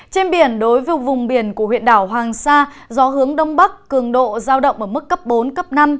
trên biển đối với vùng biển của huyện đảo hoàng sa gió hướng đông bắc cường độ giao động ở mức cấp bốn cấp năm